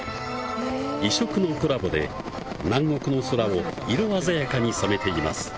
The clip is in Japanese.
異色のコラボで南国の空を色鮮やかに染めています。